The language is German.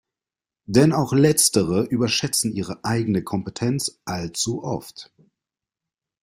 Denn auch letztere überschätzen ihre eigene Kompetenz allzu oft.